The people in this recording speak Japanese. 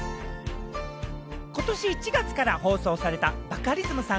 ことし１月から放送されたバカリズムさん